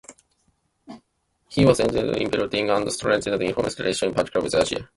He was engaged in building and strengthening international relations, in particular with Asia.